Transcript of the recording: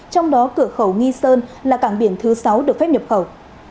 trong đó cửa khẩu nghi sơn là cảng biển thứ sáu được phép nhập khẩu